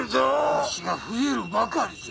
蟲が増えるばかりじゃ。